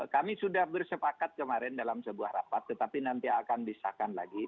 kami sudah bersepakat kemarin dalam sebuah rapat tetapi nanti akan disahkan lagi